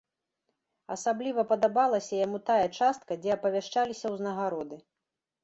Асабліва падабалася яму тая частка, дзе апавяшчаліся ўзнагароды.